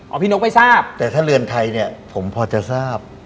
พี่นกไม่ทราบแต่ถ้าเรือนไทยเนี่ยผมพอจะทราบ